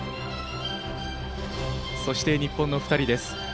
そして日本の２人です。